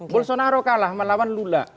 bolsonaro kalah melawan lula